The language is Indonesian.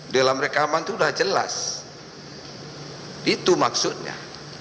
dalam rekaman itu sudah jelas itu maksudnya